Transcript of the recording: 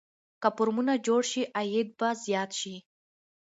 که فارمونه جوړ شي عاید به زیات شي.